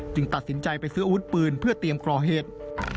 ตัดสินใจไปซื้ออาวุธปืนเพื่อเตรียมก่อเหตุ